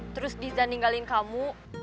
terus diza ninggalin kamu